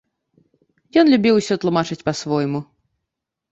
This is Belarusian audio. Ён любіў усё тлумачыць па-свойму.